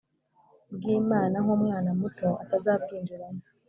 bw Imana nk umwana muto atazabwinjiramo